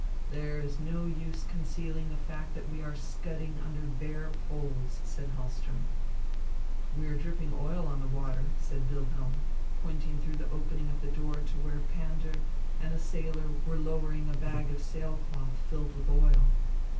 "There is no use concealing the fact that we are scudding under bare poles," said Hahlström. "We are dripping oil on the water," said Wilhelm, pointing through the opening of the door to where Pander and a sailor were lowering a bag of sail cloth filled with oil.